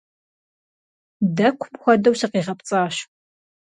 Дэкум хуэдэу сыкъигъэпцӀащ.